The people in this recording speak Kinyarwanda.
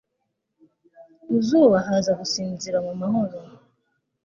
ku zuba haza gusinzira mu mahoro